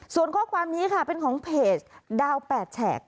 ส่วนข้อความนี้ค่ะเป็นของเพจดาว๘แฉก